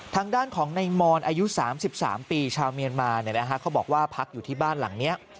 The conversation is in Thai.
ทางด้านของในมรอายุสามสิบสามปีชาวเมียนมาเนี่ยนะฮะเขาบอกว่าพักอยู่ที่บ้านหลังเนี้ย